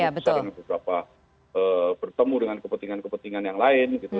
bisa dengan beberapa bertemu dengan kepentingan kepentingan yang lain gitu